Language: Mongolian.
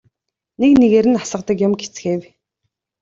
Нэг нэгээр нь асгадаг юм гэцгээв.